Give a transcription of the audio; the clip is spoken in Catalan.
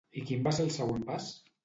I quin va ser el següent pas?